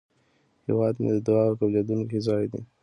هیواد مې د دعاوو قبلېدونکی ځای دی